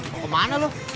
mau kemana lu